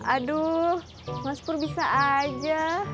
aduh mas kur bisa aja